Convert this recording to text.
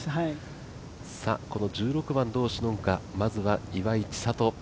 この１６番、どうしのぐか、まずは岩井千怜。